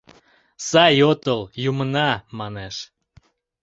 «Сай отыл, юмына! — манеш.